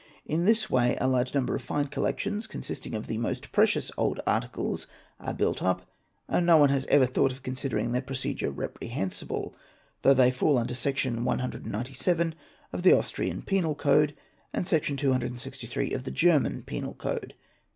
In this way, a large number of fine collections consisting of the most precious old articles are built up, and no one has ever thought of considering their procedure reprehensible, though they fall under section 197 of the Austrian Penal Code, and section 263 of the German Penal Code.